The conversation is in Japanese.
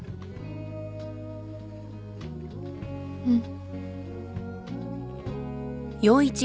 うん。